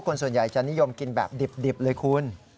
คนส่วนใหญ่จะนิยมกินแบบดิบเลยคุณ